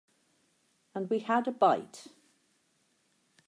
And we had a bite.